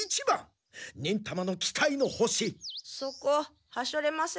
そこはしょれません？